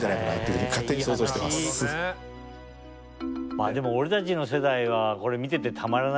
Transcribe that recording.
まあでも俺たちの世代はこれ見ててたまらないものがあるね。